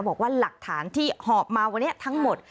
บอกว่าหลักฐานที่หอบมาวันนี้ทั้งหมด